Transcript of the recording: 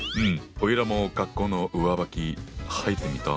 おいらも学校の上履き履いてみたい！